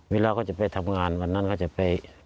เวลาเขาจะไปทำงานวันนั้นก็จะไป